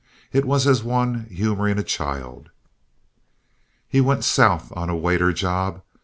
It was as one humoring a child. He went South on a waiter job.